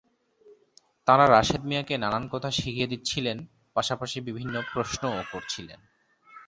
তাঁরা রাশেদ মিয়াকে নানান কথা শিখিয়ে দিচ্ছিলেন, পাশাপাশি বিভিন্ন প্রশ্নও করছিলেন।